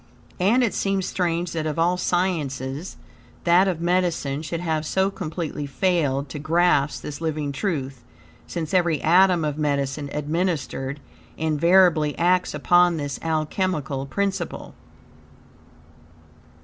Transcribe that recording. And it seems strange that of all Sciences, that of medicine should have so completely failed to grasp this living truth, since every atom of medicine administered, invariably acts upon this alchemical principle.